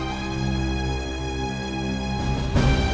aku mau ke sana